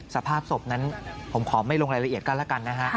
สภาพศพนั้นผมขอไม่ลงรายละเอียดกันแล้วกันนะฮะ